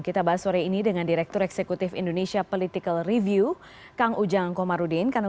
kita bahas sore ini dengan direktur eksekutif indonesia political review kang ujang komarudin